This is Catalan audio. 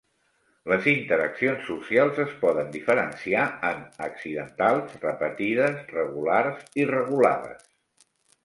Les interaccions socials es poden diferenciar en accidentals, repetides, regulars i regulades.